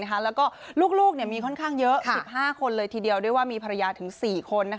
แล้วก็ลูกมีค่อนข้างเยอะ๑๕คนเลยทีเดียวด้วยว่ามีภรรยาถึง๔คน